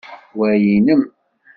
Wa nnem?